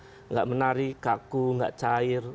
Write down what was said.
tidak menarik kaku tidak cair